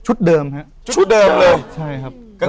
ชุดเดิมคะ